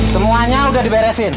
semuanya udah diberesin